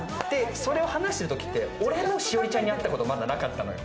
それを話してるときって、俺も栞里ちゃんに会ったことなかったのよ。